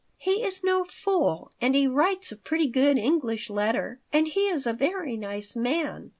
"He is no fool and he writes a pretty good English letter. And he is a very nice man."